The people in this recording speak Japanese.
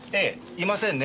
いませんね